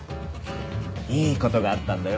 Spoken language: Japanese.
いい事があったんだよ。